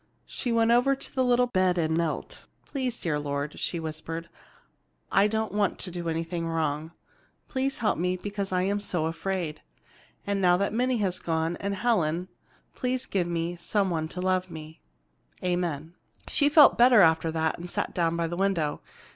She went over to her little bed, and knelt. "Please, dear Lord," she whispered, "I don't want to do anything wrong. Please help me because I am so afraid. And now that Minnie is gone and Helen, please give me somebody to love me. Amen." She felt better after that, and sat down by the window.